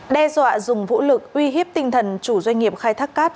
đe dọa dùng vũ lực uy hiếp tinh thần chủ doanh nghiệp khai thác cát